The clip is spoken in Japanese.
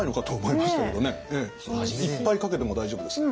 いっぱいかけても大丈夫です。